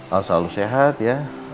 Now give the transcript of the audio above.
al selalu sehat ya